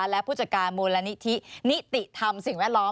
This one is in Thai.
และผู้จัดการมูลและนิติทำสิ่งแวดล้อม